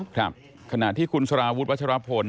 ครับขณะที่คุณสารวุฒิวัชรพล